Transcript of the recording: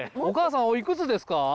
お母さんおいくつですか？